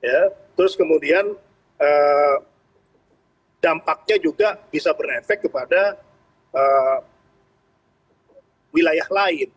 ya terus kemudian dampaknya juga bisa berefek kepada wilayah lain